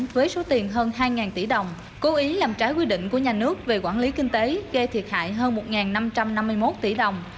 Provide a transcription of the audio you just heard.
với số tiền hơn hai tỷ đồng cố ý làm trái quy định của nhà nước về quản lý kinh tế gây thiệt hại hơn một năm trăm năm mươi một tỷ đồng